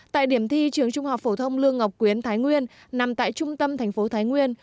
tại điểm thi trường trung học phổ thông lương ngọc quyến thái nguyên nằm tại trung tâm thành phố thái nguyên